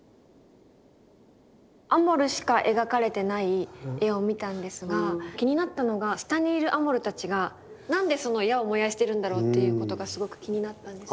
アモルしか描かれてない絵を見たんですが気になったのが下にいるアモルたちがなんでその矢を燃やしてるんだろうっていうことがすごく気になったんですけど。